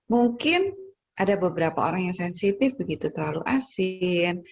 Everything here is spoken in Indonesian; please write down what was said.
mungkin ada beberapa orang yang sensitif begitu terlalu asin